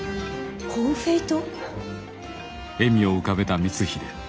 コンフェイト？